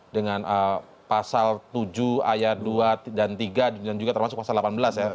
dengan pasal tujuh ayat dua dan tiga dan juga termasuk pasal delapan belas ya